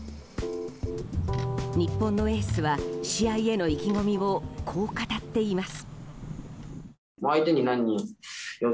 日本のエースは試合への意気込みをこう語っています。